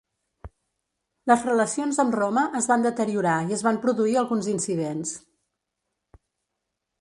Les relacions amb Roma es van deteriorar i es van produir alguns incidents.